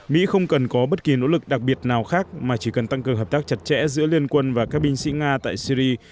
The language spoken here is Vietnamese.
mỹ không cần có bất kỳ nỗ lực đặc biệt nào khác mà chỉ cần tăng cường hợp tác chặt chẽ giữa liên quân và các binh sĩ nga tại syri